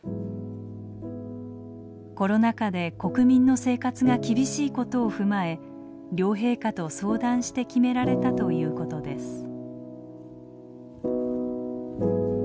コロナ禍で国民の生活が厳しいことを踏まえ両陛下と相談して決められたということです。